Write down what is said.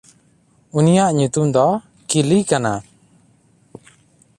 ᱩᱱᱤᱭᱟᱜ ᱧᱩᱛᱩᱢ ᱫᱚ ᱠᱤᱞᱤ ᱠᱟᱱᱟ᱾